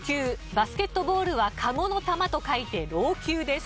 バスケットボールは籠の球と書いて籠球です。